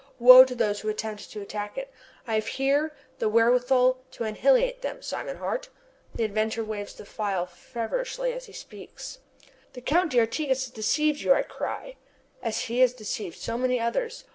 Woe to those who attempt to attack it. I have here the wherewithal to annihilate them, Simon Hart!" The inventor waves the phial feverishly as he speaks." "The Count d'Artigas has deceived you," I cry, "as he has deceived so many others.